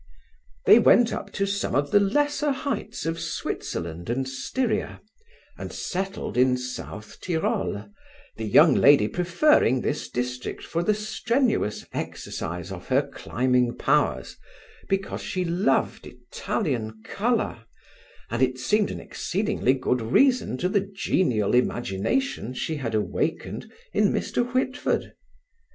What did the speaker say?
They went up to some of the lesser heights of Switzerland and Styria, and settled in South Tyrol, the young lady preferring this district for the strenuous exercise of her climbing powers because she loved Italian colour; and it seemed an exceedingly good reason to the genial imagination she had awakened in Mr. Whitford.